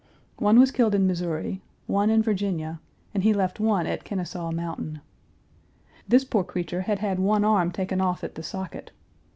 One was killed in Missouri, one in Virginia, and he left one at Kennesaw Mountain. This poor creature had had one arm taken off at the socket.